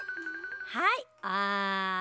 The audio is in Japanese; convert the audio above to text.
はいあん。